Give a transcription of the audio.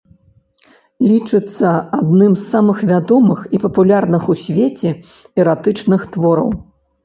Лічыцца адным з самых вядомых і папулярных у свеце эратычных твораў.